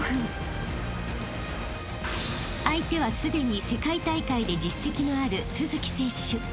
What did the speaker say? ［相手はすでに世界大会で実績のある都築選手］